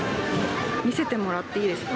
見せてもらっていいですか？